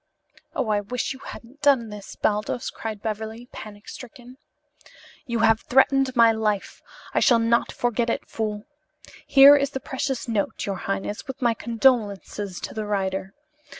"Oh, I wish you hadn't done this, Baldos," cried Beverly, panic stricken. "You have threatened my life. I shall not forget it, fool. Here is the precious note, your highness, with my condolences to the writer."